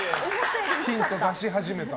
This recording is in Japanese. ヒント出し始めた。